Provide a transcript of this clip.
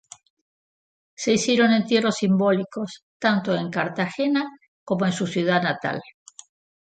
Se hicieron entierros simbólicos tanto en Cartagena como en su ciudad natal.